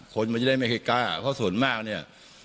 คนมันจะได้ไม่ให้กล้าเพราะส่วนมากเนี่ย